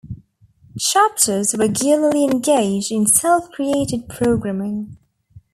Chapters regularly engage in self-created programing.